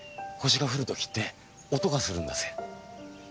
星が降るときって音がするんだぜ。